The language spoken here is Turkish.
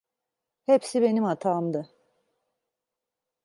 Hepsi benim hatamdı.